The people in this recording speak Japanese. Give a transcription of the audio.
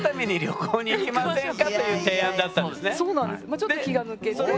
まあちょっと気が抜けて。